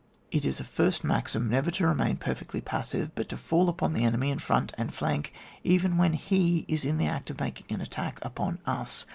6. It is a first maxim never to remain perfectly passive, but to fall upon the enemy in front and flank, even when he is in the act of making an attack upon us.